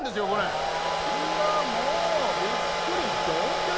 いやもうびっくり仰天です。